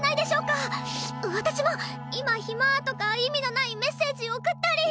私も「今ヒマ」とか意味のないメッセージ送ったり。